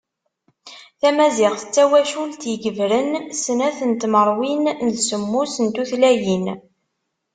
Tamaziɣt d tawacult i yegebren snat n tmerwin d semmus n tutlayin.